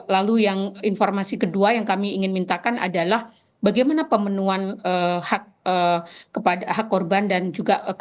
lalu yang informasi kedua yang kami ingin mintakan adalah bagaimana pemenuhan hak kepada hak korban dan juga